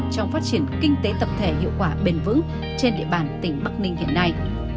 trong phát triển kinh tế tập thể hiệu quả bền vững trên địa bàn tỉnh bắc ninh hiện nay